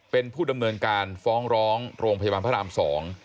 เป็นผู้ดำเนินการฟ้องร้องโรงพยาบาลพระราม๒